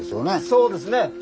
そうですね。